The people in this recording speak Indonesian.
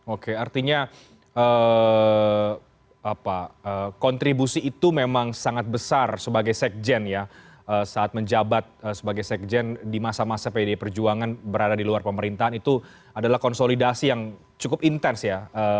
oke artinya kontribusi itu memang sangat besar sebagai sekjen ya saat menjabat sebagai sekjen di masa masa pdi perjuangan berada di luar pemerintahan itu adalah konsolidasi yang cukup intens ya